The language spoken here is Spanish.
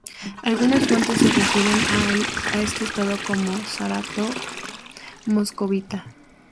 Algunas fuentes se refieren a este Estado como Zarato moscovita.